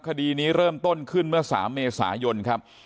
คดีนี้เริ่มต้นขึ้นเมื่อ๓เมษายนครับ